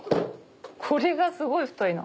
これがすごい太いな。